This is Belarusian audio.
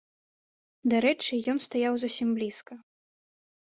Дарэчы, ён стаяў зусім блізка.